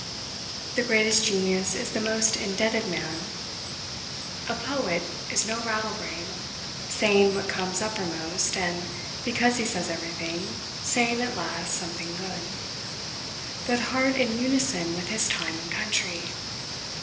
The greatest genius is the most indebted man. A poet is no rattlebrain, saying what comes uppermost, and, because he says everything, saying, at last, something good; but a heart in unison with his time and country.